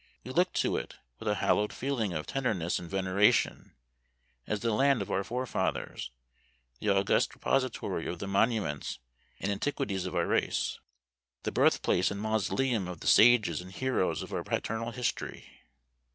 We looked to it with a hallowed feeling of tenderness and veneration, as the land of our forefathers the august repository of the monuments and antiquities of our race the birthplace and mausoleum of the sages and heroes of our paternal history.